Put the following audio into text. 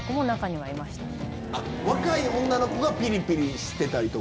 あっ若い女の子がピリピリしてたりとか。